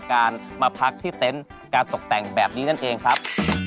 ตามแอฟผู้ชมห้องน้ำด้านนอกกันเลยดีกว่าครับ